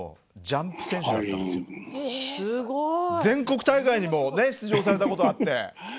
全国大会にもね出場されたことあって。